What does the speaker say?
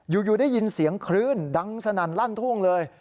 อยู่ได้ยินเสียงคลื่นดังสนั่นลั่นทุ่งเลย